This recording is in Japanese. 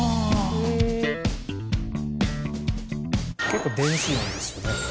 「結構電子音ですよね」